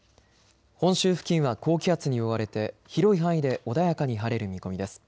本州付近は高気圧に覆われて広い範囲で穏やかに晴れる見込みです。